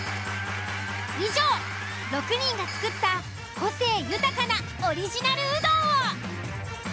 以上６人が作った個性豊かなオリジナルうどんを。